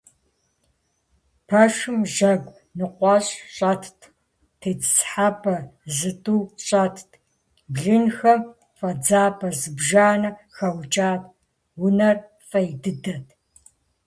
Пэшым жьэгу ныкъуэщӀ щӏэтт, тетӀысхьэпӀэ зытӀу щӀэтт, блынхэм фӀэдзапӀэ зыбжанэ хэукӀат, унэр фӀей дыдэт!